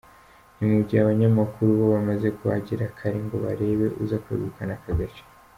Ni mu gihe abanyamakuru bo bamaze kuhagera kare ngo barebe uza kwegukana aka gace.